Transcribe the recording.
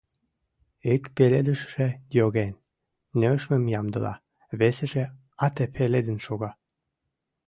Ик пеледышыже, йоген, нӧшмым ямдыла; весыже ате пеледын шога.